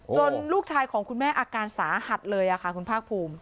ลูกชายของคุณแม่อาการสาหัสเลยค่ะคุณภาคภูมิ